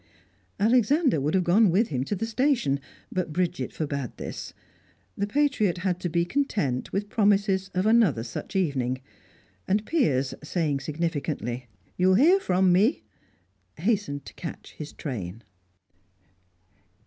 Alexander would have gone with him to the station, but Bridget forbade this. The patriot had to be content with promises of another such evening, and Piers, saying significantly "You will hear from me," hastened to catch his train.